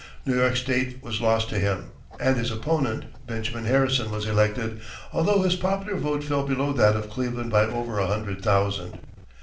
New York State was lost to him, and his opponent, Benjamin Harrison, was elected, although his popular vote fell below that of Cleveland by over a hundred thousand.